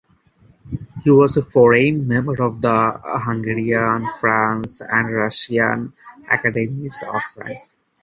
He was a foreign member of the Hungarian, French, and Russian Academies of Science.